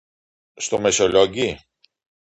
Στο Μεσολόγγι;